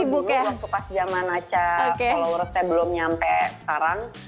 dulu waktu pas zaman aca followersnya belum nyampe sekarang